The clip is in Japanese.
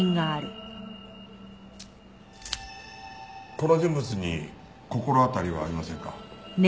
この人物に心当たりはありませんか？